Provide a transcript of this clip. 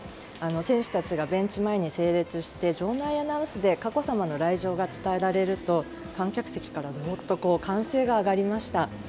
選手たちがベンチ前に整列して場内アナウンスで佳子さまの来場が伝えられると伝えられると観客席から歓声が上がりました。